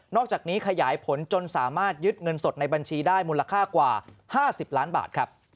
อกจากนี้ขยายผลจนสามารถยึดเงินสดในบัญชีได้มูลค่ากว่า๕๐ล้านบาทครับ